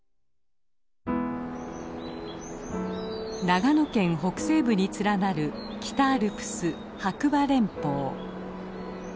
長野県北西部に連なる北アルプス白馬連峰。